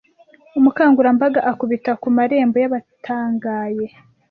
Umukangurambaga akubita ku marembo yabatangaye